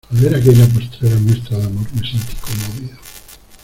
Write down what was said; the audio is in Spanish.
al ver aquella postrera muestra de amor me sentí conmovido.